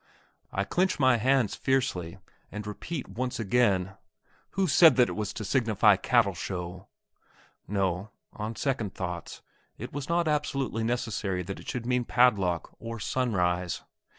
I clench my hands fiercely, and repeat once again, "Who said that it was to signify cattle show?" No; on second thoughts, it was not absolutely necessary that it should mean padlock, or sunrise.